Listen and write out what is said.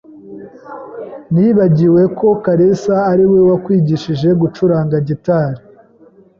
Nibagiwe ko kalisa ari we wakwigishije gucuranga gitari.